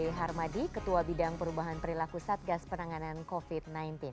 sony hari b harmadi ketua bidang perubahan perilaku satgas penanganan covid sembilan belas